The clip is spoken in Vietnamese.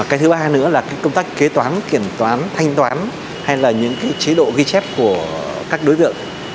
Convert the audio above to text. cái thứ ba nữa là công tác kế toán kiểm toán thanh toán hay là những chế độ ghi chép của các đối tượng